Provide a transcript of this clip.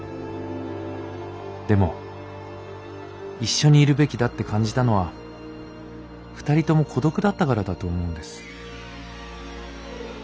でも一緒にいるべきだって感じたのは二人とも孤独だったからだと思うんです。